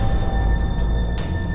tidak ada yang bisa dipercaya